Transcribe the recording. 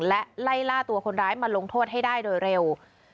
และไล่ล่าตัวคนร้ายมาลงโทษให้ได้โดยเร็ว